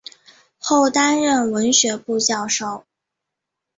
后担任文学部教授。